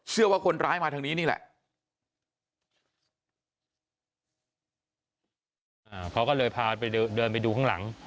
เชื่อว่าคนร้ายมาทางนี้นี่แหละ